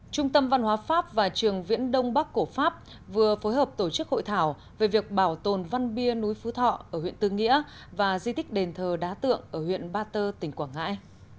trung tâm văn hóa pháp và trường viễn đông bắc cổ pháp vừa phối hợp tổ chức hội thảo về việc bảo tồn văn bia núi phú thọ ở huyện tư nghĩa và di tích đền thờ đá tượng ở huyện ba tơ tỉnh quảng ngãi